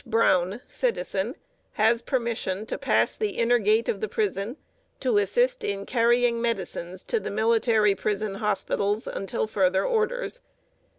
Browne, Citizen, has permission to pass the inner gate of the Prison, to assist in carrying medicines to the Military Prison Hospitals, until further orders.